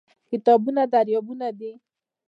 کتابونه دريابونه دي